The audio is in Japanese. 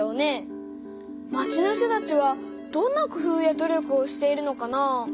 まちの人たちはどんな工夫や努力をしているのかな？